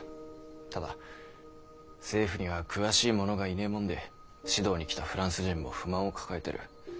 ただ政府には詳しいものがいねぇもんで指導に来たフランス人も不満を抱えている。